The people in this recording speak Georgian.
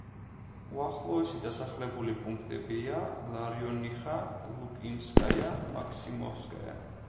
უახლოესი დასახლებული პუნქტებია: ლარიონიხა, ლუკინსკაია, მაქსიმოვსკაია.